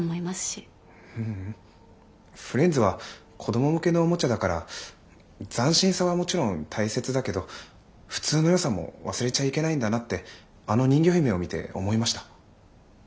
フレンズは子ども向けのおもちゃだから斬新さはもちろん大切だけど普通のよさも忘れちゃいけないんだなってあの人魚姫を見て思いました。